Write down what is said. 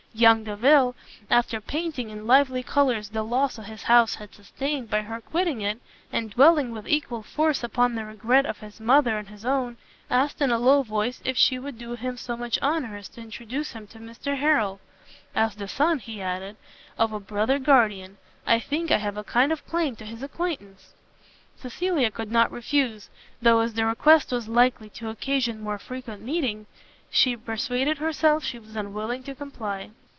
Young Delvile, after painting in lively colours the loss his house had sustained by her quitting it, and dwelling with equal force upon the regret of his mother and his own, asked in a low voice if she would do him so much honour as to introduce him to Mr Harrel; "As the son," added he, "of a brother guardian, I think I have a kind of claim to his acquaintance." Cecilia could not refuse, though as the request was likely to occasion more frequent meetings, she persuaded herself she was unwilling to comply.